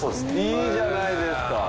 いいじゃないですか。